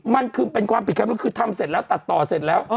มันคือเป็นความผิดคำพูดคือทำเสร็จแล้วตัดต่อเสร็จแล้ว